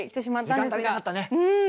時間足りなかったね。